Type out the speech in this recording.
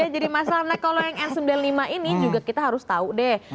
jadi masalahnya kalau yang n sembilan puluh lima ini juga kita harus tahu deh